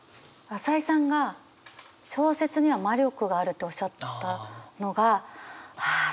朝井さんが小説には魔力があるとおっしゃったのがああ